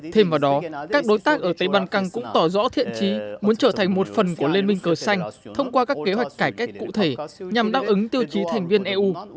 thêm vào đó các đối tác ở tây ban căng cũng tỏ rõ thiện trí muốn trở thành một phần của liên minh cờ xanh thông qua các kế hoạch cải cách cụ thể nhằm đáp ứng tiêu chí thành viên eu